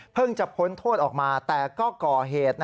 จะพ้นโทษออกมาแต่ก็ก่อเหตุ